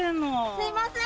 すいません。